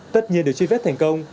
tất nhiên để truy vết thành công